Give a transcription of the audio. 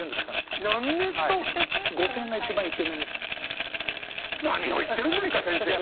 何ですと⁉何を言ってるんですか先生。